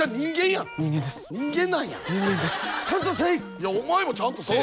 いやお前もちゃんもせい。